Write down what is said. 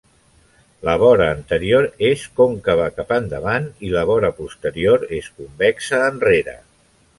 La vora anterior és còncava cap endavant i la vora posterior és convexa enrere.